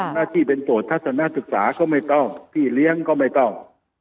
หน้าที่เป็นโจทัศนศึกษาก็ไม่ต้องพี่เลี้ยงก็ไม่ต้อง